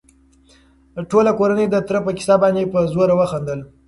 ټوله کورنۍ د تره په کيسه باندې په زوره وخندل.